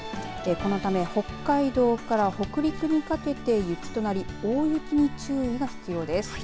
このため、北海道から北陸にかけて雪となり大雪に注意が必要です。